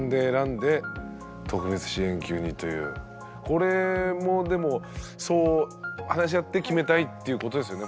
これもでもそう話し合って決めたいっていうことですよね